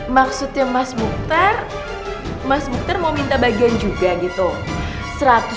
maksudnya mas mukhtar mas bukter mau minta bagian juga gitu